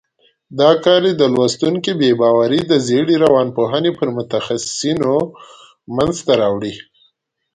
دا کار یې د لوستونکي بې باوري د زېړې روانپوهنې په متخصیصینو منځته راوړي.